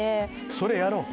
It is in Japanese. それやろう！